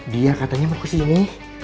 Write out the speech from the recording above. dia katanya mau kesini